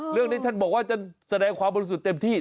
เรื่องนี้ท่านบอกว่าจะแสดงความบริสุทธิ์เต็มที่